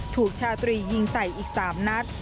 ชาตรียิงใส่อีก๓นัด